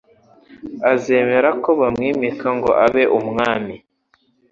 azemera ko bamwimika ngo abe Umwami «"